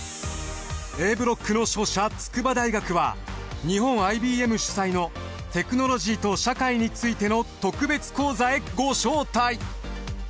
Ａブロックの勝者筑波大学は日本アイ・ビー・エム主催のテクノロジーと社会についての特別講座へご招待。